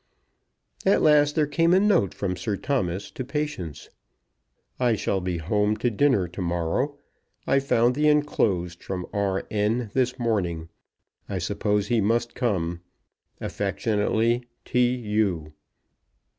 At last there came a note from Sir Thomas to Patience. "I shall be home to dinner to morrow. I found the enclosed from R. N. this morning. I suppose he must come. Affectionately, T. U."